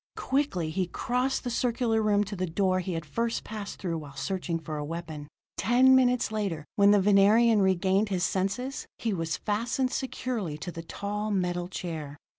Quickly he crossed the circular room to the door he had first passed through while searching for a weapon. Ten minutes later, when the Venerian regained his senses, he was fastened securely to the tall, metal chair.